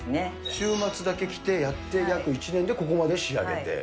週末だけ来て、やって、約１年でここまで仕上げて。